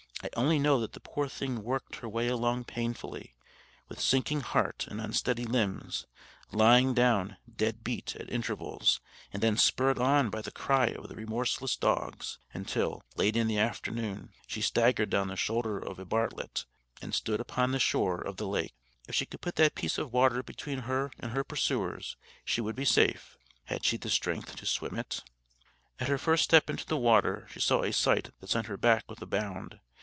I only know that the poor thing worked her way along painfully, with sinking heart and unsteady limbs, lying down "dead beat" at intervals, and then spurred on by the cry of the remorseless dogs, until, late in the afternoon, she staggered down the shoulder of a Bartlett, and stood upon the shore of the lake. If she could put that piece of water between her and her pursuers, she would be safe. Had she strength to swim it? At her first step into the water she saw a sight that sent her back with a bound.